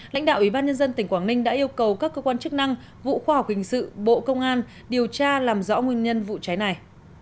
lãnh đạo ủy ban nhân dân tỉnh quảng ninh đã yêu cầu các cơ quan chức năng vụ khoa học hình sự bộ công an điều tra làm rõ nguyên nhân vụ cháy này